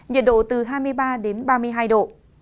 nhiệt độ từ hai mươi ba đến ba mươi hai độ